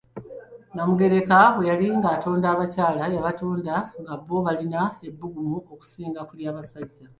Nnamugereka bwe yali ng'atonnda abakyala, yabatonda nga bo balina ebbugumu okusinga ku lya basajja.